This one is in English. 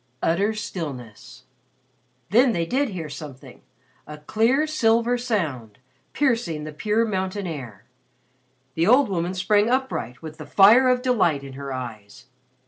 Utter stillness. Then they did hear something a clear silver sound, piercing the pure mountain air. The old woman sprang upright with the fire of delight in her eyes.